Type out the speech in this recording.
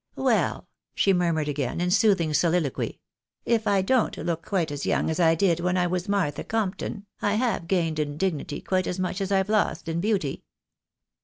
" Well," she murmured, again in soothing soliloquy, " if I don't look' quite as young as I did when I was Martha Compton, I have gained in dignity quite as much as I've lost in beauty.